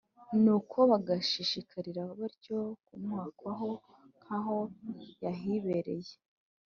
nuko bagashishikarira batyo kumuhakwaho nk’aho yahibereye.